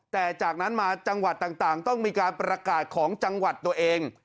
แต่จากนั้นมาจังหวัดต่างต้องมีการประกาศของจังหวัดตัวเอง